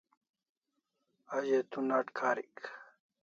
A ze tu nat karik